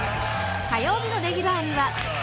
火曜日のレギュラーには。